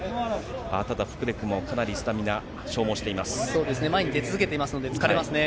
ああ、ただフクレクも、かなりスタミナ消耗してそうですね。